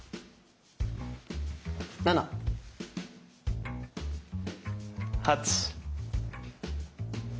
７！８！